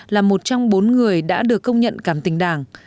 là một trong bốn người đã được công nhận cảm tình đảng